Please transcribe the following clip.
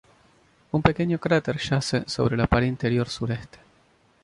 Un pequeño cráter yace sobre la pared interior sureste.